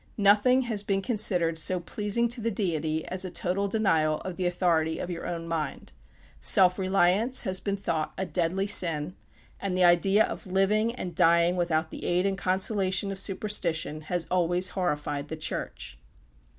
Nothing has been considered so pleasing to the Deity as a total denial of the authority of your own mind. Self reliance has been thought a deadly sin; and the idea of living and dying without the aid and consolation of superstition has always horrified the Church.